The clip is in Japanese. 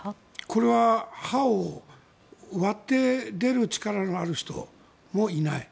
これは派を割って出る力のある人もいない。